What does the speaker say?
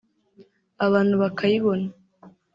abantu bakayibona